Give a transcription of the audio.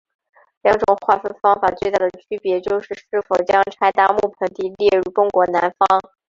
两种划分方法最大的区别就是是否将柴达木盆地列入中国南方。